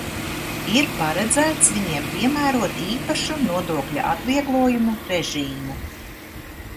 Ir paredzēts viņiem piemērot īpašu nodokļa atvieglojumu režīmu.